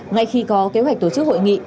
ngay khi có kế hoạch tổ chức hội nghị